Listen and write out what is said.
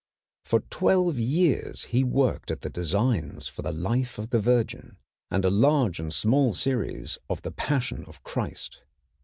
For twelve years he worked at the designs for the Life of the Virgin, and a large and a small series of the Passion of Christ.